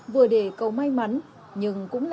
vừa để câu mong